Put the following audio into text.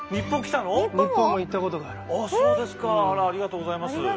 あらありがとうございます。